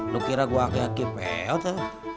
lu kira gua aki aki peot ya